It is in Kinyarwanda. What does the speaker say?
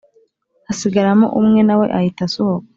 hasigaramo umwe nawe ahita asohoka